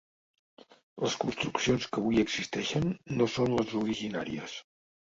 Les construccions que avui existeixen no són les originàries.